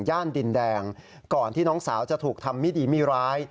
ย่านดินแดงก่อนที่น้องสาวจะถูกทำมิดีมิร้าย